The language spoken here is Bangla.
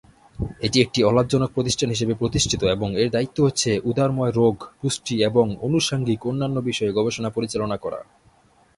এটি একটি অলাভজনক প্রতিষ্ঠান হিসেবে প্রতিষ্ঠিত এবং এর দায়িত্ব হচ্ছে উদরাময় রোগ, পুষ্টি এবং আনুষঙ্গিক অন্যান্য বিষয়ে গবেষণা পরিচালনা করা।